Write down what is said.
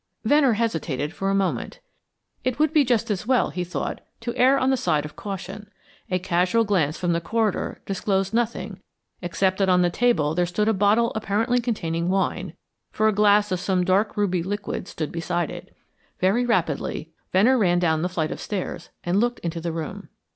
Venner hesitated for a moment; it would be just as well, he thought, to err on the side of caution. A casual glance from the corridor disclosed nothing, except that on the table there stood a bottle apparently containing wine, for a glass of some dark ruby liquid stood beside it. Very rapidly Venner ran down the flight of stairs and looked into the room.